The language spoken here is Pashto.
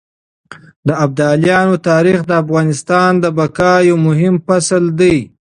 د ابدالیانو تاريخ د افغانستان د بقا يو مهم فصل دی.